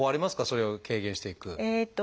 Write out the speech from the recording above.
それを軽減していく。